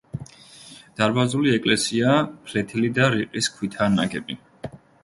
დარბაზული ეკლესია ფლეთილი და რიყის ქვითაა ნაგები.